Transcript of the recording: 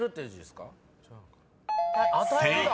［正解。